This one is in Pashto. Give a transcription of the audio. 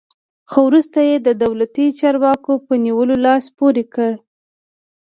خو وروسته یې د دولتي چارواکو په نیولو لاس پورې کړ.